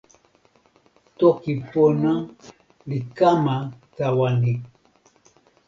toki pona li kama tawa ni.